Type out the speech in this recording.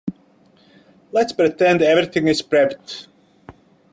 Let's pretend everything is prepped.